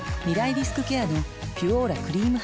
リスクケアの「ピュオーラ」クリームハミガキ